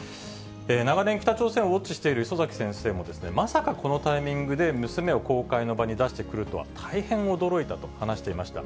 長年、北朝鮮をウォッチしている礒崎先生も、まさかこのタイミングで娘を公開の場に出してくるとは、大変驚いたと話していました。